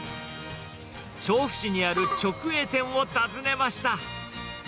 調布市にある直営店を訪ねました。